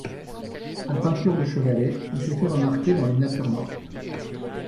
En peinture de chevalet, il s'est fait remarquer dans les natures mortes.